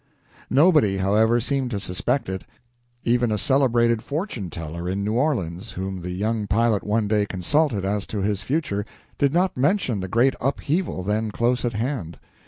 Nobody, however, seemed to suspect it. Even a celebrated fortune teller in New Orleans, whom the young pilot one day consulted as to his future, did not mention the great upheaval then close at hand.